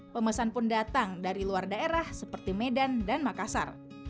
pemesan pun datang dari luar daerah seperti medan dan makassar